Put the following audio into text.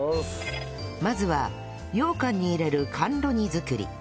まずはようかんに入れる甘露煮作り